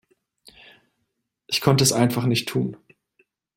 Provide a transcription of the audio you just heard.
Ich konnte es einfach nicht tun.